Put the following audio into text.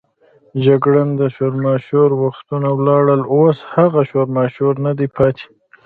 جګړن: د شورماشور وختونه ولاړل، اوس هغه شورماشور نه دی پاتې.